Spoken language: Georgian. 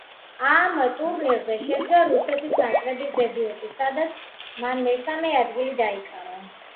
ამ ტურნირზე შედგა რუსეთის ნაკრების დებიუტი, სადაც მან მესამე ადგილი დაიკავა.